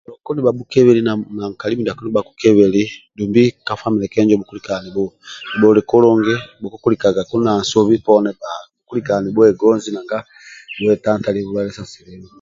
Muluku nibhabhukebeli na nkali mindiako nibha nibhabhukebeli dumni ka famile kenjo bhuulikaga nibhuli kulungi ka famile bhukukulikagaku na nsobi poni dumbi bhulikaga nibhuetantali bhulwaye sa sulimu